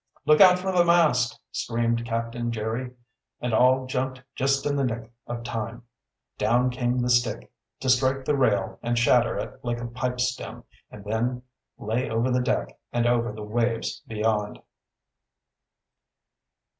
"Look out for the mast!" screamed Captain Jerry, and all jumped just in the nick of time. Down came the stick, to strike the rail and shatter it like a pipe stem, and then lay over the deck and over the waves beyond.